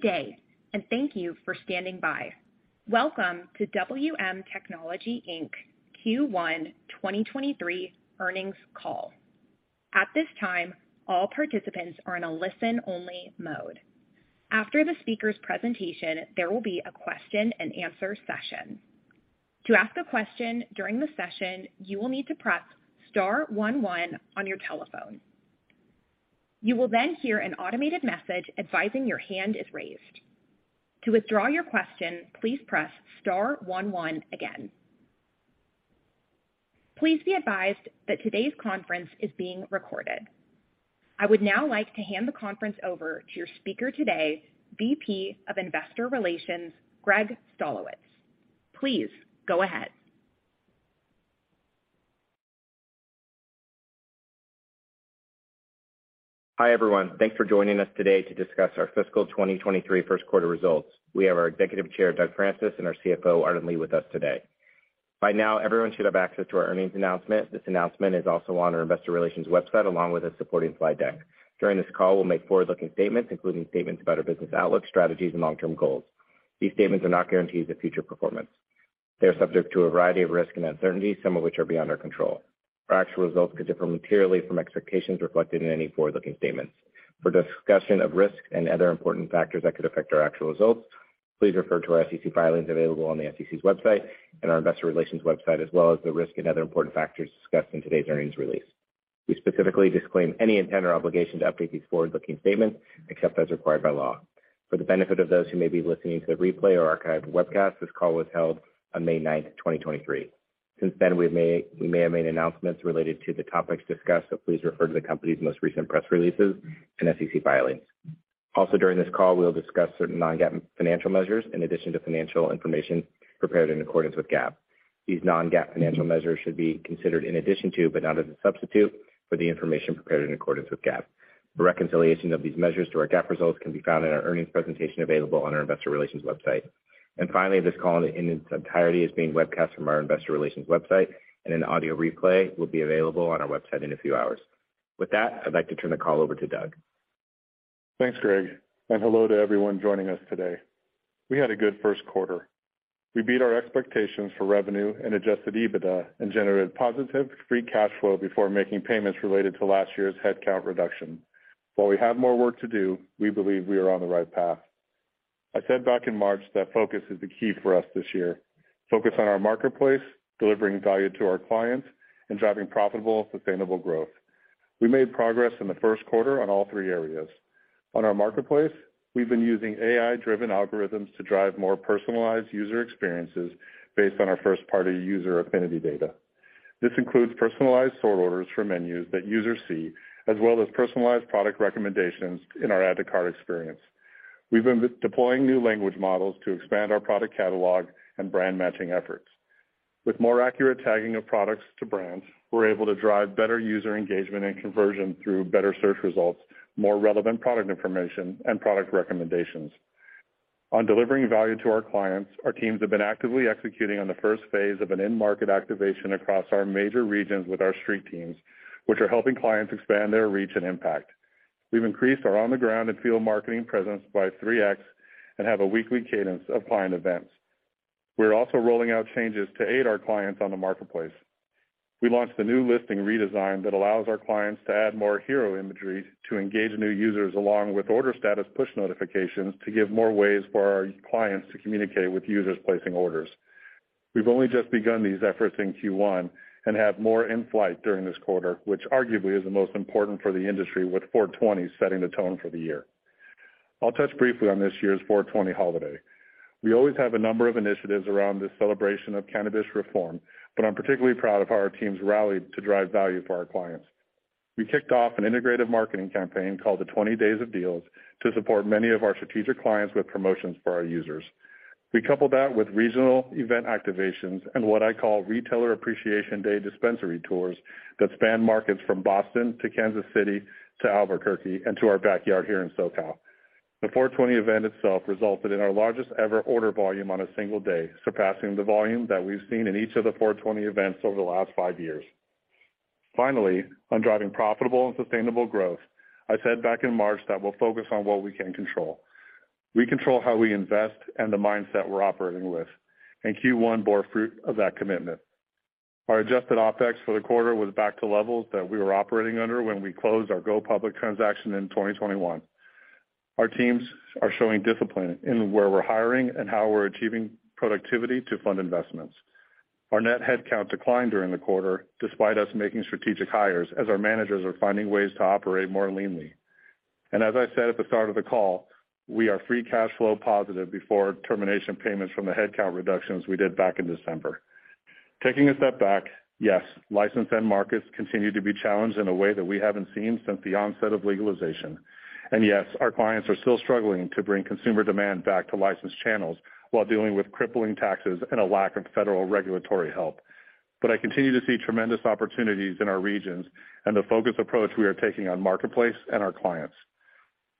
Good day. Thank you for standing by. Welcome to WM Technology Inc. Q1 2023 earnings call. At this time, all participants are in a listen-only mode. After the speaker's presentation, there will be a question-and-answer session. To ask a question during the session, you will need to press star one one on your telephone. You will hear an automated message advising your hand is raised. To withdraw your question, please press star one one again. Please be advised that today's conference is being recorded. I would now like to hand the conference over to your speaker today, VP of Investor Relations, Greg Stolowitz. Please go ahead. Hi, everyone. Thanks for joining us today to discuss our fiscal 2023 first quarter results. We have our Executive Chair, Doug Francis, and our CFO, Arden Lee, with us today. By now, everyone should have access to our earnings announcement. This announcement is also on our investor relations website, along with a supporting slide deck. During this call, we'll make forward-looking statements, including statements about our business outlook, strategies, and long-term goals. These statements are not guarantees of future performance. They are subject to a variety of risks and uncertainties, some of which are beyond our control. Our actual results could differ materially from expectations reflected in any forward-looking statements. For discussion of risks and other important factors that could affect our actual results, please refer to our SEC filings available on the SEC's website and our investor relations website, as well as the risks and other important factors discussed in today's earnings release. We specifically disclaim any intent or obligation to update these forward-looking statements except as required by law. For the benefit of those who may be listening to a replay or archived webcast, this call was held on May 9th, 2023. Since then, we may have made announcements related to the topics discussed, so please refer to the company's most recent press releases and SEC filings. During this call, we'll discuss certain Non-GAAP financial measures in addition to financial information prepared in accordance with GAAP. These Non-GAAP financial measures should be considered in addition to, but not as a substitute for the information prepared in accordance with GAAP. The reconciliation of these measures to our GAAP results can be found in our earnings presentation available on our investor relations website. Finally, this call in its entirety is being webcast from our investor relations website, and an audio replay will be available on our website in a few hours. With that, I'd like to turn the call over to Doug. Thanks, Greg, and hello to everyone joining us today. We had a good first quarter. We beat our expectations for revenue and adjusted EBITDA and generated positive free cash flow before making payments related to last year's headcount reduction. While we have more work to do, we believe we are on the right path. I said back in March that focus is the key for us this year. Focus on our marketplace, delivering value to our clients, and driving profitable, sustainable growth. We made progress in the first quarter on all three areas. On our marketplace, we've been using AI-driven algorithms to drive more personalized user experiences based on our first-party user affinity data. This includes personalized sort orders for menus that users see, as well as personalized product recommendations in our add-to-cart experience. We've been deploying new language models to expand our product catalog and brand-matching efforts. With more accurate tagging of products to brands, we're able to drive better user engagement and conversion through better search results, more relevant product information, and product recommendations. On delivering value to our clients, our teams have been actively executing on the first phase of an in-market activation across our major regions with our street teams, which are helping clients expand their reach and impact. We've increased our on-the-ground and field marketing presence by 3x and have a weekly cadence of client events. We're also rolling out changes to aid our clients on the marketplace. We launched a new listing redesign that allows our clients to add more hero imagery to engage new users, along with order status push notifications to give more ways for our clients to communicate with users placing orders. We've only just begun these efforts in Q1 and have more in flight during this quarter, which arguably is the most important for the industry with 4/20 setting the tone for the year. I'll touch briefly on this year's 4/20 holiday. We always have a number of initiatives around this celebration of cannabis reform. I'm particularly proud of how our teams rallied to drive value for our clients. We kicked off an integrated marketing campaign called the 20 Days of Deals to support many of our strategic clients with promotions for our users. We coupled that with regional event activations and what I call Retailer Appreciation Day dispensary tours that span markets from Boston to Kansas City to Albuquerque and to our backyard here in SoCal. The 4/20 event itself resulted in our largest-ever order volume on a single day, surpassing the volume that we've seen in each of the 4/20 events over the last five years. Finally, on driving profitable and sustainable growth, I said back in March that we'll focus on what we can control. We control how we invest and the mindset we're operating with, and Q1 bore fruit of that commitment. Our adjusted OpEx for the quarter was back to levels that we were operating under when we closed our go-public transaction in 2021. Our teams are showing discipline in where we're hiring and how we're achieving productivity to fund investments. Our net headcount declined during the quarter despite us making strategic hires as our managers are finding ways to operate more leanly. As I said at the start of the call, we are free cash flow positive before termination payments from the headcount reductions we did back in December. Taking a step back, yes, licensed end markets continue to be challenged in a way that we haven't seen since the onset of legalization. Yes, our clients are still struggling to bring consumer demand back to licensed channels while dealing with crippling taxes and a lack of federal regulatory help. I continue to see tremendous opportunities in our regions and the focused approach we are taking on marketplace and our clients.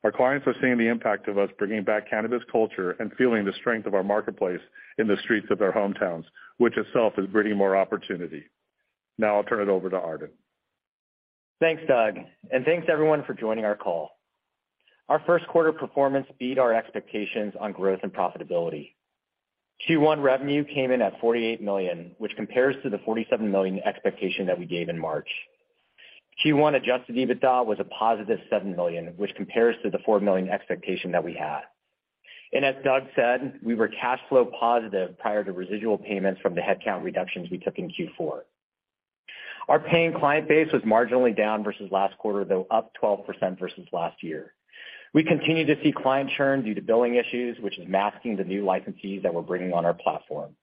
Our clients are seeing the impact of us bringing back cannabis culture and feeling the strength of our marketplace in the streets of their hometowns, which itself is bringing more opportunity. I'll turn it over to Arden. Thanks, Doug, and thanks everyone for joining our call. Our first quarter performance beat our expectations on growth and profitability. Q1 revenue came in at $48 million, which compares to the $47 million expectation that we gave in March. Q1 adjusted EBITDA was a positive $7 million, which compares to the $4 million expectation that we had. As Doug said, we were cash flow positive prior to residual payments from the headcount reductions we took in Q4. Our paying client base was marginally down versus last quarter, though up 12% versus last year. We continue to see client churn due to billing issues, which is masking the new licensees that we're bringing on our platform.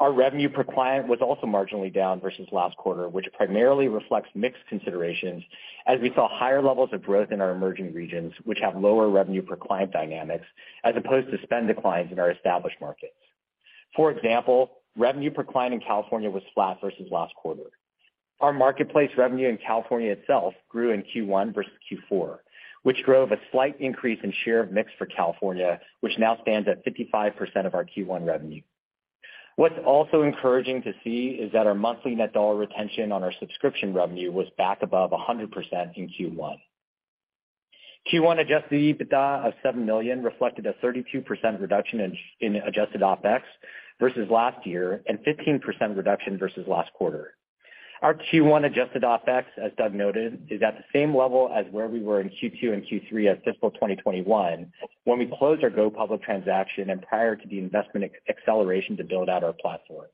Our revenue per client was also marginally down versus last quarter, which primarily reflects mixed considerations as we saw higher levels of growth in our emerging regions, which have lower revenue per client dynamics, as opposed to spend declines in our established markets. For example, revenue per client in California was flat versus last quarter. Our marketplace revenue in California itself grew in Q1 versus Q4, which drove a slight increase in share of mix for California, which now stands at 55% of our Q1 revenue. What's also encouraging to see is that our monthly net dollar retention on our subscription revenue was back above 100% in Q1. Q1 adjusted EBITDA of $7 million reflected a 32% reduction in adjusted OpEx versus last year and 15% reduction versus last quarter. Our Q1 adjusted OpEx, as Doug noted, is at the same level as where we were in Q2 and Q3 at fiscal 2021 when we closed our go public transaction and prior to the investment acceleration to build out our platform.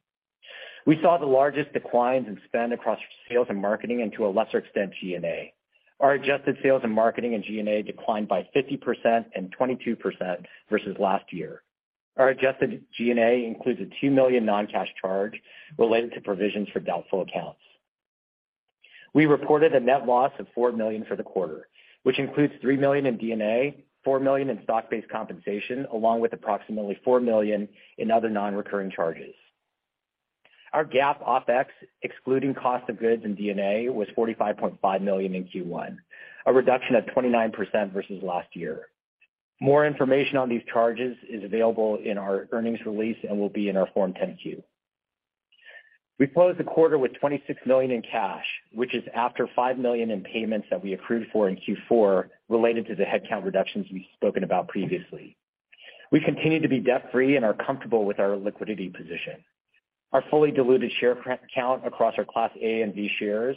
We saw the largest declines in spend across sales and marketing and to a lesser extent, G&A. Our adjusted sales and marketing and G&A declined by 50% and 22% versus last year. Our adjusted G&A includes a $2 million non-cash charge related to provisions for doubtful accounts. We reported a net loss of $4 million for the quarter, which includes $3 million in D&A, $4 million in stock-based compensation, along with approximately $4 million in other non-recurring charges. Our GAAP OpEx, excluding cost of goods and D&A, was $45.5 million in Q1, a reduction of 29% versus last year. More information on these charges is available in our earnings release and will be in our Form 10-Q. We closed the quarter with $26 million in cash, which is after $5 million in payments that we accrued for in Q4 related to the headcount reductions we've spoken about previously. We continue to be debt-free and are comfortable with our liquidity position. Our fully diluted share count across our Class A and B shares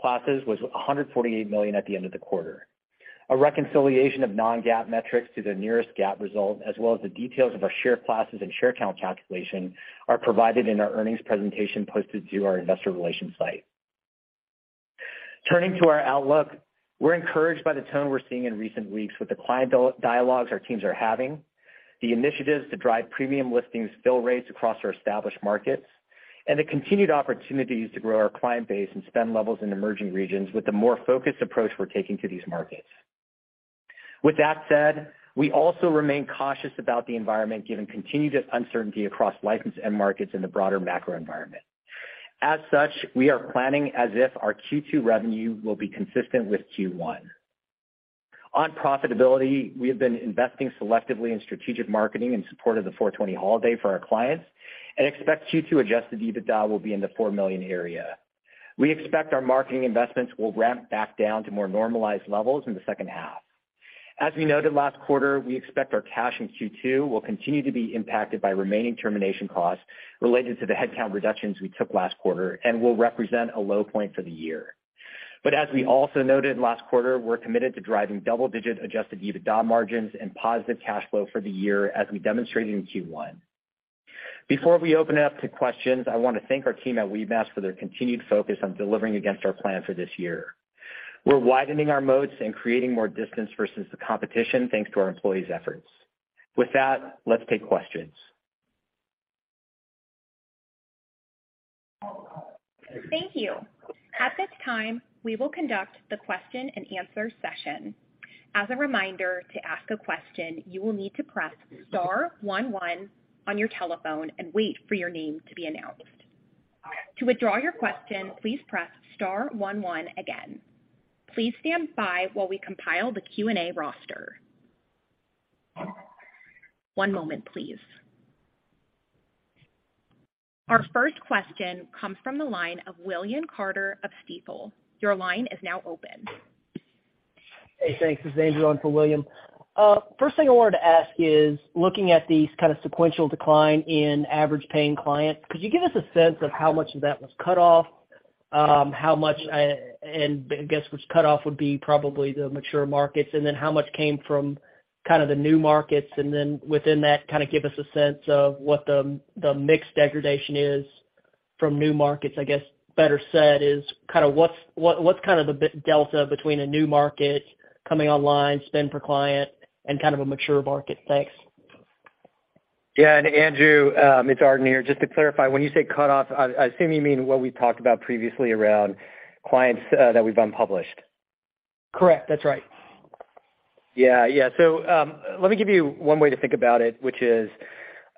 classes was 148 million at the end of the quarter. A reconciliation of Non-GAAP metrics to the nearest GAAP result, as well as the details of our share classes and share count calculation, are provided in our earnings presentation posted to our investor relations site. Turning to our outlook, we're encouraged by the tone we're seeing in recent weeks with the client dialogues our teams are having, the initiatives to drive premium listings fill rates across our established markets, and the continued opportunities to grow our client base and spend levels in emerging regions with the more focused approach we're taking to these markets. With that said, we also remain cautious about the environment given continued uncertainty across license end markets in the broader macro environment. As such, we are planning as if our Q2 revenue will be consistent with Q1. On profitability, we have been investing selectively in strategic marketing in support of the 4/20 holiday for our clients and expect Q2 adjusted EBITDA will be in the $4 million area. We expect our marketing investments will ramp back down to more normalized levels in the second half. As we noted last quarter, we expect our cash in Q2 will continue to be impacted by remaining termination costs related to the headcount reductions we took last quarter and will represent a low point for the year. As we also noted last quarter, we're committed to driving double-digit adjusted EBITDA margins and positive cash flow for the year as we demonstrated in Q1. Before we open it up to questions, I wanna thank our team at Weedmaps for their continued focus on delivering against our plan for this year. We're widening our moats and creating more distance versus the competition, thanks to our employees' efforts. With that, let's take questions. Thank you. At this time, we will conduct the question-and-answer session. As a reminder, to ask a question, you will need to press star one one on your telephone and wait for your name to be announced. To withdraw your question, please press star one one again. Please stand by while we compile the Q&A roster. One moment, please. Our first question comes from the line of William Carter of Stifel. Your line is now open. Hey, thanks. This is Andrew on for William. First thing I wanted to ask is, looking at the kind of sequential decline in average paying clients, could you give us a sense of how much of that was cut off? How much, I guess what's cut off would be probably the mature markets. How much came from kind of the new markets? Within that, kind of give us a sense of what the mix degradation is from new markets. I guess better said is kind of what's kind of the delta between a new market coming online, spend per client and kind of a mature market? Thanks. Andrew, it's Arden here. Just to clarify, when you say cut off, I assume you mean what we talked about previously around clients that we've unpublished. Correct. That's right. Yeah. Yeah. Let me give you one way to think about it, which is,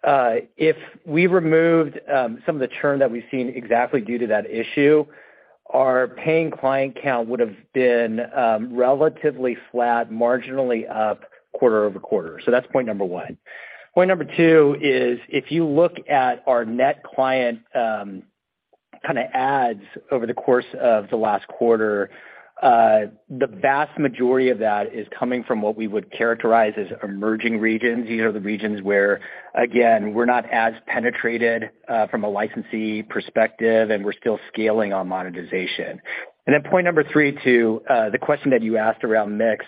if we removed some of the churn that we've seen exactly due to that issue, our paying client count would've been relatively flat, marginally up quarter-over-quarter. That's point number one. Point number two is if you look at our net client kind of adds over the course of the last quarter, the vast majority of that is coming from what we would characterize as emerging regions. These are the regions where, again, we're not as penetrated from a licensee perspective, and we're still scaling on monetization. Point number three to the question that you asked around mix.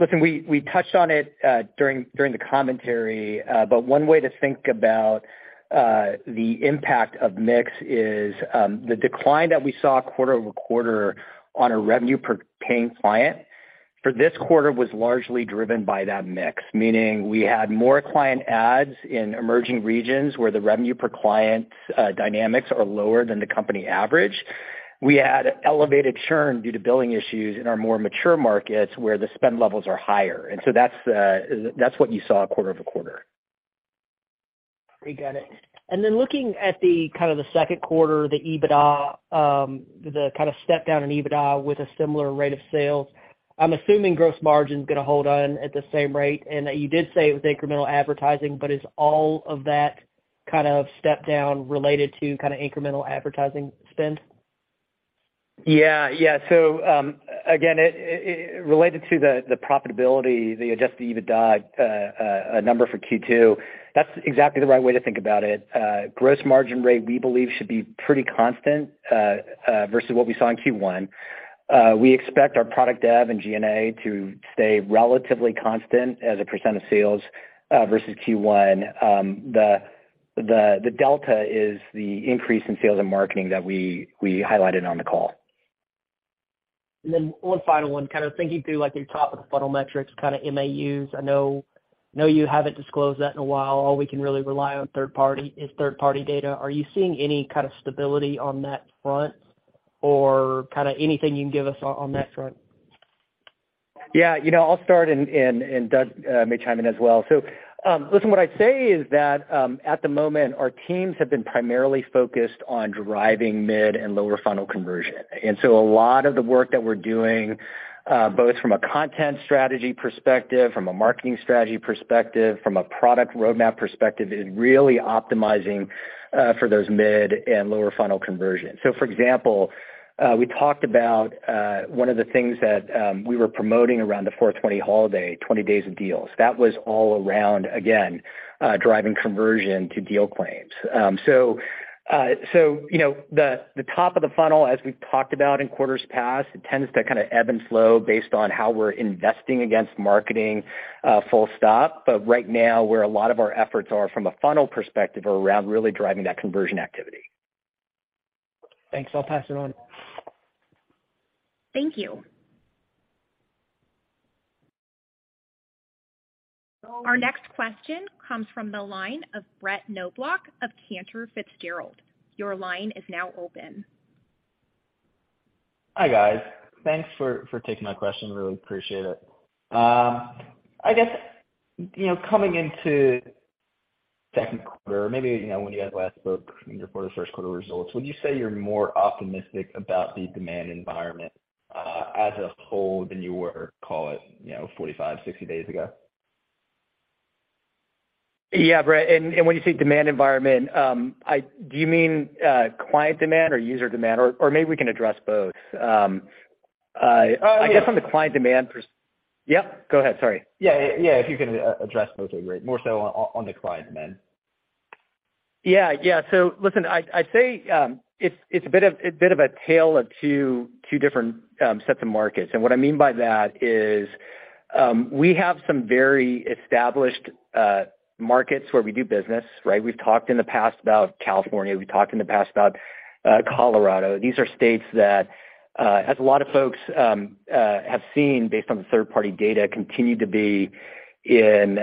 Listen, we touched on it during the commentary. One way to think about the impact of mix is the decline that we saw quarter-over-quarter on a revenue per paying client for this quarter was largely driven by that mix. Meaning we had more client adds in emerging regions where the revenue per client dynamics are lower than the company average. We had elevated churn due to billing issues in our more mature markets where the spend levels are higher. That's what you saw quarter-over-quarter. We got it. Looking at the kind of the second quarter, the EBITDA, the kind of step down in EBITDA with a similar rate of sales, I'm assuming gross margin's gonna hold on at the same rate. You did say it was incremental advertising, but is all of that kind of step down related to kind of incremental advertising spend? Yeah. Yeah. again, it related to the profitability, the adjusted EBITDA number for Q2, that's exactly the right way to think about it. gross margin rate, we believe, should be pretty constant versus what we saw in Q1. We expect our product dev and G&A to stay relatively constant as a % of sales versus Q1. the delta is the increase in sales and marketing that we highlighted on the call. One final one, kind of thinking through, like, your top of the funnel metrics, kind of MAUs. I know you haven't disclosed that in a while. All we can really rely on third party is third party data. Are you seeing any kind of stability on that front or kinda anything you can give us on that front? Yeah, you know, I'll start and Doug may chime in as well. What I'd say is that at the moment, our teams have been primarily focused on driving mid and lower funnel conversion. A lot of the work that we're doing, both from a content strategy perspective, from a marketing strategy perspective, from a product roadmap perspective, is really optimizing for those mid and lower funnel conversion. For example, we talked about one of the things that we were promoting around the 4/20 holiday, 20 Days of Deals. That was all around, again, driving conversion to deal claims. So, you know, the top of the funnel, as we've talked about in quarters past, it tends to kinda ebb and flow based on how we're investing against marketing, full stop. Right now, where a lot of our efforts are from a funnel perspective are around really driving that conversion activity. Thanks. I'll pass it on. Thank you. Our next question comes from the line of Brett Knoblauch of Cantor Fitzgerald. Your line is now open. Hi, guys. Thanks for taking my question. Really appreciate it. I guess, you know, coming into second quarter, maybe, you know, when you guys last spoke, when you reported first quarter results, would you say you're more optimistic about the demand environment as a whole than you were, call it, you know, 45 days, 60 days ago? Yeah, Brett. When you say demand environment, do you mean client demand or user demand? Or, maybe we can address both. Oh, yeah. I guess on the client demand. Yeah, go ahead, sorry. Yeah. Yeah. If you can address both would be great. More so on the client demand. Yeah. Yeah. Listen, I'd say, it's a bit of a tale of two different sets of markets. What I mean by that is, we have some very established markets where we do business, right? We've talked in the past about California. We've talked in the past about Colorado. These are states that, as a lot of folks have seen based on the third party data, continue to be in,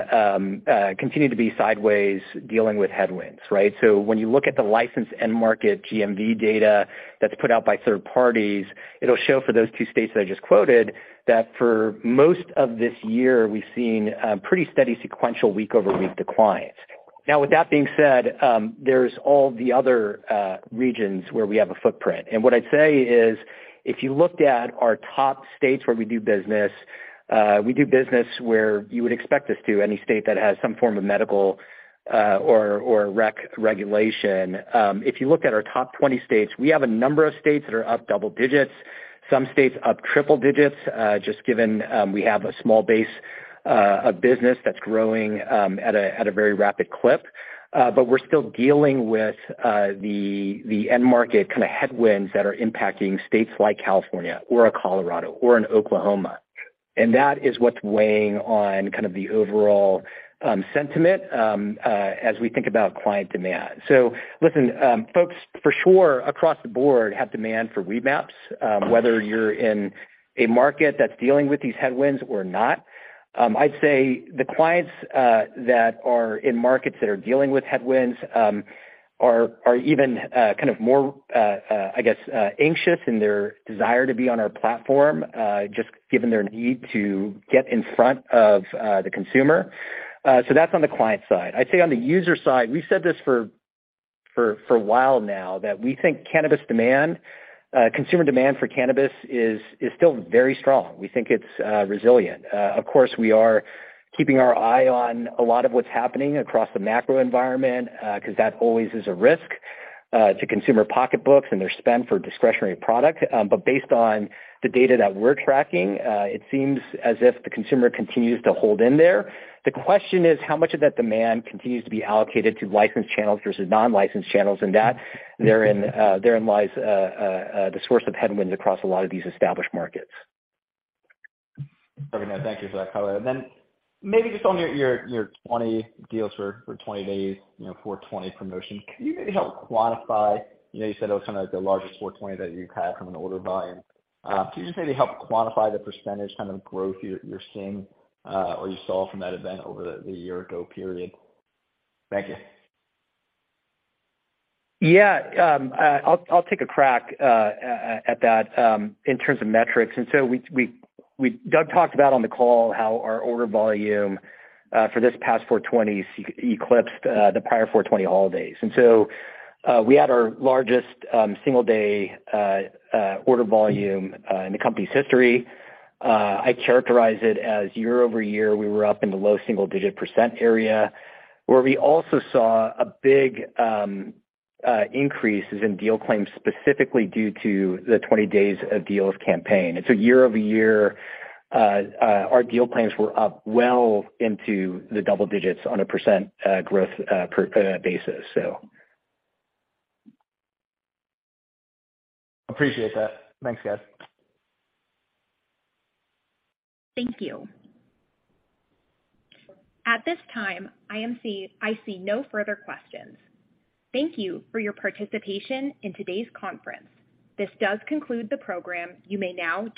continue to be sideways dealing with headwinds, right? When you look at the licensed end market GMV data that's put out by third parties, it'll show for those two states that I just quoted, that for most of this year, we've seen pretty steady sequential week over week declines. With that being said, there's all the other regions where we have a footprint. What I'd say is, if you looked at our top states where we do business, we do business where you would expect us to, any state that has some form of medical or rec regulation. If you look at our top 20 states, we have a number of states that are up double digits, some states up triple digits, just given we have a small base of business that's growing at a very rapid clip. We're still dealing with the end market kinda headwinds that are impacting states like California or a Colorado or an Oklahoma. That is what's weighing on kind of the overall sentiment as we think about client demand. Listen, folks for sure across the board have demand for Weedmaps, whether you're in a market that's dealing with these headwinds or not. I'd say the clients that are in markets that are dealing with headwinds are even kind of more, I guess, anxious in their desire to be on our platform, just given their need to get in front of the consumer. That's on the client side. I'd say on the user side, we've said this for a while now that we think cannabis demand, consumer demand for cannabis is still very strong. We think it's resilient. Of course, we are keeping our eye on a lot of what's happening across the macro environment, 'cause that always is a risk to consumer pocketbooks and their spend for discretionary product. Based on the data that we're tracking, it seems as if the consumer continues to hold in there. The question is how much of that demand continues to be allocated to licensed channels versus non-licensed channels, and that therein lies the source of headwinds across a lot of these established markets. Okay. No, thank you for that color. Then maybe just on your 20 deals for 20 days, you know, 4/20 promotion. Can you maybe help quantify, you know, you said it was kind of the largest 4/20 that you've had from an order volume. Can you just maybe help quantify the % kind of growth you're seeing, or you saw from that event over the year-ago period? Thank you. Yeah. I'll take a crack at that in terms of metrics. Doug talked about on the call how our order volume for this past 4/20 eclipsed the prior 4/20 holidays. We had our largest single day order volume in the company's history. I characterize it as year-over-year, we were up in the low single-digit % area, where we also saw big increases in deal claims specifically due to the 20 Days of Deals campaign. Year-over-year, our deal claims were up well into the double-digits on a % growth basis. Appreciate that. Thanks, guys. Thank you. At this time, I see no further questions. Thank you for your participation in today's conference. This does conclude the program. You may now disconnect.